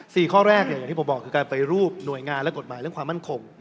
สี่ข้อแรกอย่างที่บอกหากได้รูปหน่วยงานกฎหมายและความมั่นขง